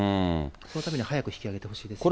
そのために早く引き揚げてほしいですね。